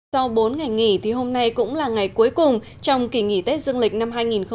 sau bốn ngày nghỉ thì hôm nay cũng là ngày cuối cùng trong kỳ nghỉ tết dương lịch năm hai nghìn hai mươi